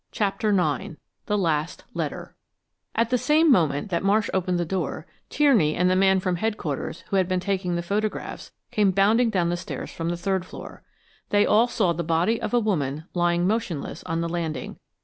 CHAPTER IX THE LAST LETTER At the same moment that Marsh opened the door, Tierney and the man from Headquarters, who had been taking the photographs, came bounding down the stairs from the third floor. They all saw the body of a woman lying motionless on the landing.